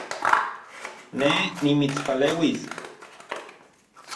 Ne nimitspaleuis